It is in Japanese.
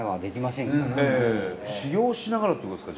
修業をしながらってことですか？